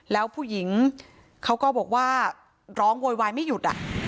แล้วผู้หญิงเขาก็บอกว่าร้องโวยวายไม่หยุด